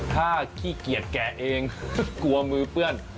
ถ้าขี้เกียจแกเองกลัวมือเปื้อน